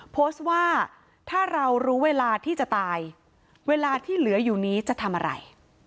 โพสต์ว่าถ้าเรารู้เวลาที่จะตายเวลาที่เหลืออยู่นี้จะทำอะไร